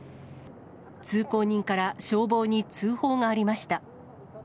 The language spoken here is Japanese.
通行人から消防に通報がありました。